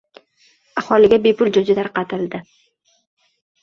Aholiga bepul jo‘ja tarqatilding